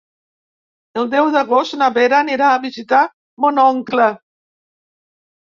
El deu d'agost na Vera anirà a visitar mon oncle.